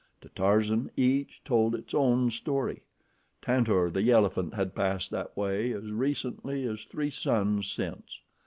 To Tarzan each told its own story. Tantor, the elephant, had passed that way as recently as three suns since.